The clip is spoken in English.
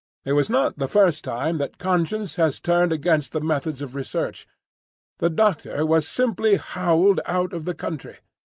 It was not the first time that conscience has turned against the methods of research. The doctor was simply howled out of the country.